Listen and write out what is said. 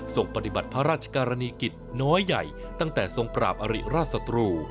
ปฏิบัติพระราชกรณีกิจน้อยใหญ่ตั้งแต่ทรงปราบอริราชศัตรู